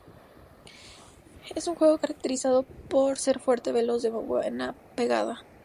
En su juego se caracterizaba pro ser fuerte, veloz, de buena pegada.